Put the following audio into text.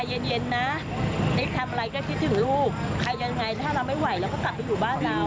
ใครยังไงถ้าเราไม่ไหวเราก็กลับไปอยู่บ้านเรา